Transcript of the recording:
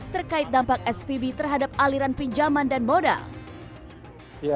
terkait dampak svb terhadap aliran pinjaman dan modal